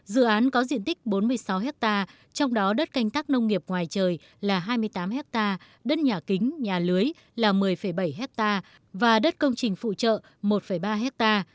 dự án có diện tích bốn mươi sáu hectare trong đó đất canh tác nông nghiệp ngoài trời là hai mươi tám ha đất nhà kính nhà lưới là một mươi bảy hectare và đất công trình phụ trợ một ba ha